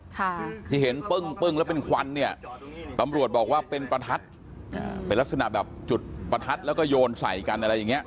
ค่ะที่เห็นปึ้งปึ้งแล้วเป็นควันเนี่ยตำรวจบอกว่าเป็นประทัดอ่าเป็นลักษณะแบบจุดประทัดแล้วก็โยนใส่กันอะไรอย่างเงี้